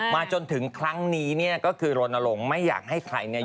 จนถึงครั้งนี้เนี่ยก็คือรณรงค์ไม่อยากให้ใครเนี่ย